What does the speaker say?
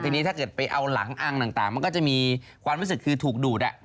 ทีนี้ถ้าเกิดไปเอาหลังอังต่างมันก็จะมีความรู้สึกคือถูกดูด